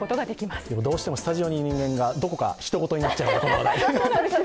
でも、どうしてもスタジオにいる人間が、どこかひと事になってしまう。